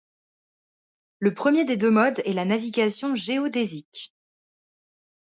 Le premier des deux modes est la navigation géodésique.